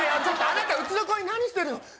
ちょっとあなたうちの子に何してるの？